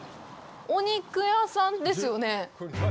お肉屋さんですよね。